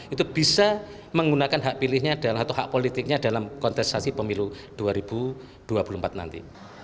itu bisa menggunakan hak pilihnya adalah atau hak politiknya dalam kontestasi pemilu dua ribu dua puluh empat nanti